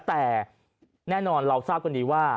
แต่แน่นอนเราทราบกันดีว่า